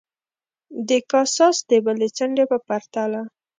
د کاساس د بلې څنډې په پرتله.